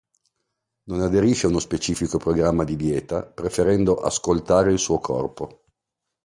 Non aderisce ad uno specifico programma di dieta, preferendo "ascoltare" il suo corpo.